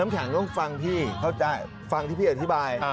แข็งต้องฟังพี่เข้าใจฟังที่พี่อธิบาย